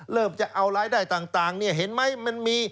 จะเอารายได้ต่างเนี่ยเห็นไหมมันมี